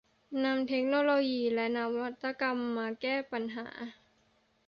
นำเทคโนโลยีและนวัตกรรมมาแก้ปัญหา